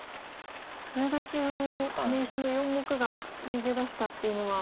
それだけタネ石の４目が逃げ出したっていうのは。